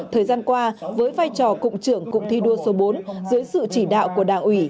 thời gian qua với vai trò cụm trưởng cụm thi đua số bốn dưới sự chỉ đạo của đảng ủy